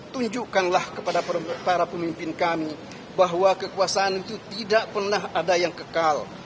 tunjukkanlah kepada para pemimpin kami bahwa kekuasaan itu tidak pernah ada yang kekal